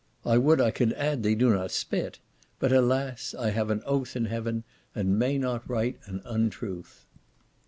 I would I could add they do not spit; but, alas! "I have an oath in heaven," and may not write an untruth.